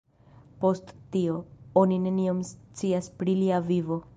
Post tio, oni nenion scias pri lia vivo.